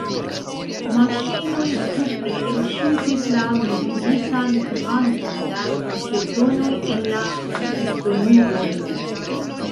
Maŝinoj supre elŝutis la mezuritan kvanton da ĵetonoj en la disdonujojn.